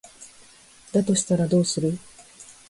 だとしたらどうする？